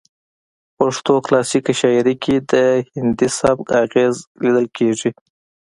پښتو کلاسیکه شاعرۍ کې د هندي سبک اغیز لیدل کیږي